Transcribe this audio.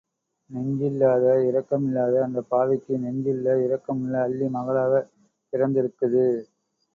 நெஞ்சில்லாத இரக்கமில்லாத அந்தப் பாவிக்கு நெஞ்சுள்ள, இரக்கமுள்ள அல்லி மகளாகப் பிறந்திருக்குது.